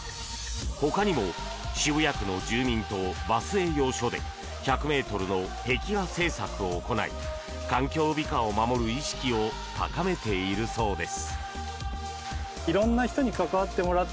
ほかにも渋谷区の住民とバス営業所で１００ｍの壁画制作を行い環境美化を守る意識を高めているそうです。